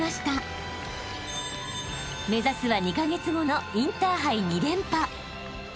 ［目指すは２カ月後のインターハイ２連覇］